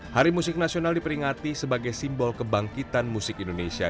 hari musik nasional diperingati sebagai simbol kebangkitan musik indonesia